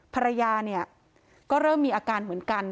ภรรยาเนี่ยก็เริ่มมีอาการเหมือนกัน